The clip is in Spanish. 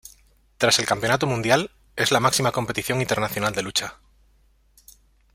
Tras el Campeonato Mundial, es la máxima competición internacional de lucha.